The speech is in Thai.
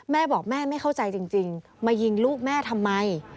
แม่บอกแม่ไม่เข้าใจจริงมายิงลูกแม่ทำไม